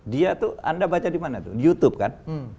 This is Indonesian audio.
dia itu anda baca di mana itu youtube kan